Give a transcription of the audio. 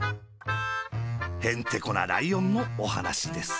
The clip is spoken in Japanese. へんてこなライオンのおはなしです。